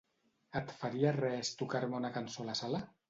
Et faria res tocar-me una cançó a la sala?